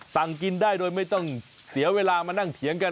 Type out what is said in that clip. สั่งกินได้โดยไม่ต้องเสียเวลามานั่งเถียงกัน